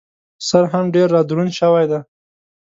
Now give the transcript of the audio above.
سر هم ډېر را دروند شوی دی.